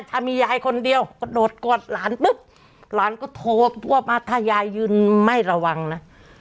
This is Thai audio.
ถ้ามียายคนเดียวกระโดดกอดหลานปุ๊บหลานก็โทรพวกมาถ้ายายยืนไม่ระวังนะ